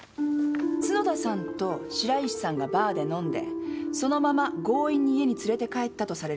角田さんと白石さんがバーで飲んでそのまま強引に家に連れて帰ったとされる日。